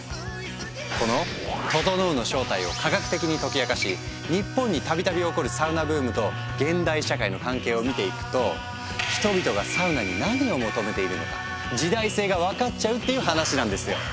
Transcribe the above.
この「ととのう」の正体を科学的に解き明かし日本に度々起こるサウナブームと現代社会の関係を見ていくと人々がサウナに何を求めているのか時代性が分かっちゃうっていう話なんですよ。